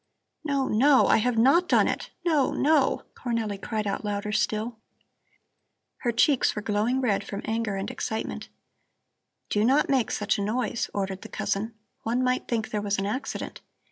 '" "No, no! I have not done it. No, no!" Cornelli cried out louder still. Her cheeks were glowing red from anger and excitement. "Do not make such a noise," ordered the cousin. "One might think there was an accident.